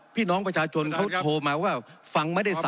พี่น้องประชาชนเขาโทรมาว่า